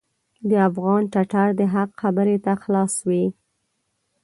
د افغان ټټر د حق خبرې ته خلاص وي.